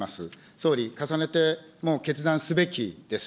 総理、重ねてもう決断すべきです。